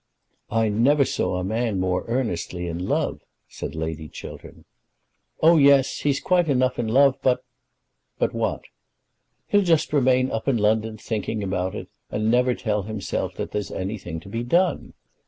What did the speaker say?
"I never saw a man more earnestly in love," said Lady Chiltern. "Oh yes, he's quite enough in love. But " "But what?" "He'll just remain up in London thinking about it, and never tell himself that there's anything to be done.